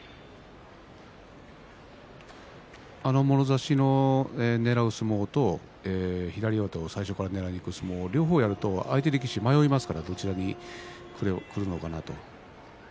もろ差しをねらう相撲と左上手を最初からねらいにいく相撲両方やると相手力士が迷いますからどちらにくるのかなと。